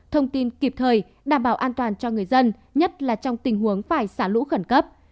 thông tin kịp thời đảm bảo an toàn cho người dân nhất là trong tình huống phải xả lũ khẩn cấp